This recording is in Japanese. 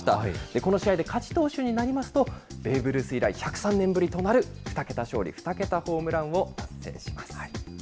この試合で勝ち投手になりますと、ベーブ・ルース以来、１０３年ぶりとなる２桁勝利、２桁ホームランを達成します。